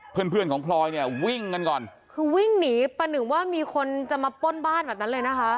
เพื่อนเพื่อนของพลอยเนี่ยวิ่งกันก่อนคือวิ่งหนีประหนึ่งว่ามีคนจะมาป้นบ้านแบบนั้นเลยนะคะ